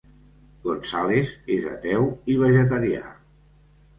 González és ateu i vegetarià.